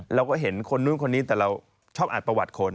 เราก็เห็นคนนู้นคนนี้แต่เราชอบอ่านประวัติคน